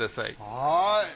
はい！